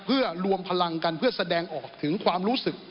เพื่อรวมพลังกันเพื่อแสดงออกถึงความรู้สึก